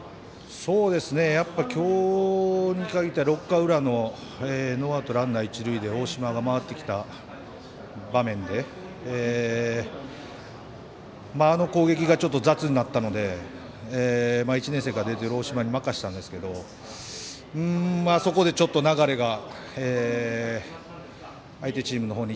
やっぱきょうに限っては６回の裏のノーアウト、ランナー、一塁で大島が回ってきた場面であの攻撃がちょっと雑になったので１年生から出てる大島に任したんですけどあそこでちょっと流れが相手チームのほうに